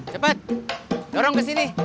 cepet dorong ke sini